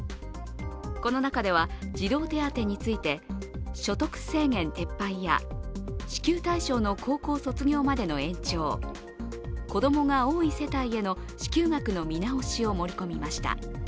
この中では、児童手当について、所得制限撤廃や支給対象の高校卒業までの延長、子どもが多い世帯への支給額の見直しを盛り込みました。